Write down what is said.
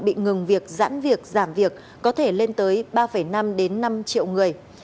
bị ngừng việc giãn việc giảm việc có thể lên tới ba năm đến năm triệu người